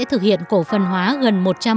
thực hiện cổ phân hóa gần một trăm bốn mươi